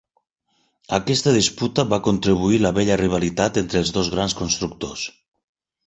A aquesta disputa va contribuir la vella rivalitat entre els dos grans constructors.